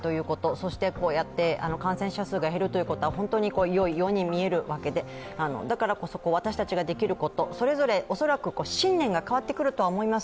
そして感染者数が減るということは本当にいよいよに見えるわけでだからこそ、私たちができることそれぞれ恐らく信念が変わってくると思います。